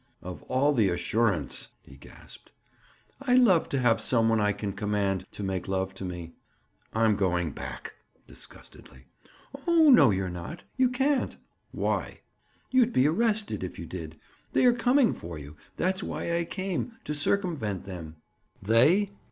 "Of all the assurance!" he gasped. "I love to have some one I can command to make love to me." "I'm going back." Disgustedly. "Oh, no, you're not. You can't." "Why?" "You'd be arrested, if you did. They are coming for you. That's why I came—to circumvent them!" "They?"